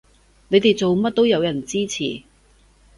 你哋做乜都有人支持